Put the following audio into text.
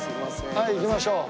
はい行きましょう。